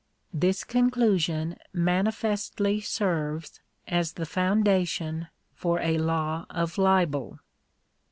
This conclusion manifestly serves as the foundation for a law of libel.